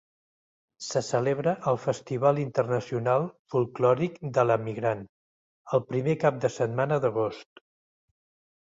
Se celebra el Festival Internacional Folklòric de l'Emigrant, el primer cap de setmana d'agost.